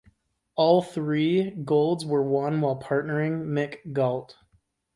All three golds were won while partnering Mick Gault.